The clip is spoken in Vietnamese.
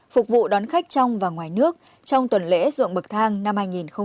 phục vụ đón khách trong và ngoài nước trong tuần lễ ruộng bực thang năm hai nghìn một mươi sáu